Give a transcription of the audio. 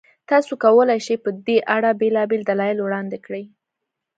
تاسو کولای شئ، په دې اړه بېلابېل دلایل وړاندې کړئ.